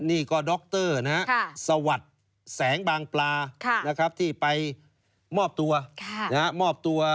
นี่ก็ด็อกเตอร์นะครับสวัสดิ์แสงบางปลานะครับที่ไปมอบตัว